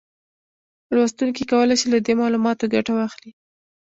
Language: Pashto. لوستونکي کولای شي له دې معلوماتو ګټه واخلي